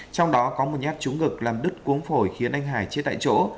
trong đó có một nhát trúng ngực làm đứt cuống phổi khiến anh hải chết tại chỗ